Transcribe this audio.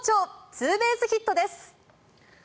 ツーベースヒットです。